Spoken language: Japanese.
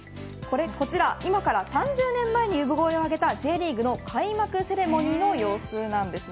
こちら今から３０年前に産声を上げたＪリーグの開幕セレモニーの様子です。